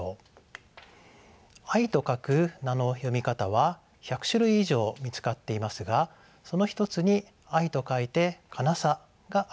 「愛」と書く名の読み方は１００種類以上見つかっていますがその一つに「愛」と書いて「かなさ」があります。